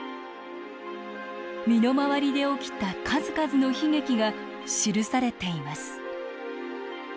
身の回りで起きた数々の悲劇が記されています。